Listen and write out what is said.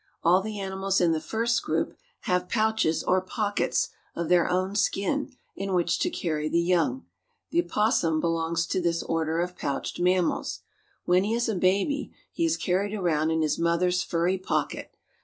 All the animals in the first group have pouches or pockets, of their own skin, in which to carry the young. The opossum belongs to this Order of Pouched Mammals. When he is a baby he is carried around in his mother's furry pocket.